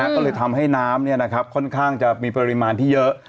ก็เลยทำให้น้ำค่อนข้างจะมีปริมาณที่เยอะ